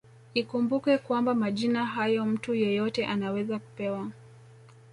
Ikumbukwe kwamba majina hayo mtu yeyote anaweza kupewa